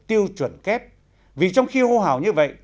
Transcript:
tiêu chuẩn kép vì trong khi hô hào như vậy